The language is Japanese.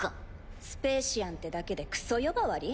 スペーシアンってだけでクソ呼ばわり？